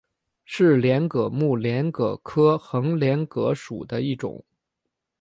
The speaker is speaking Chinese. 是帘蛤目帘蛤科横帘蛤属的一种。